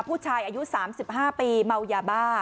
ผู้ชายอายุ๓๕ปีเมายาบ้า